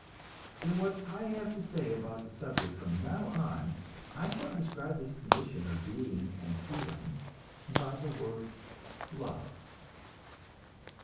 In what I have to say about the subject from now on, I shall describe this condition of being and feeling by the word "love."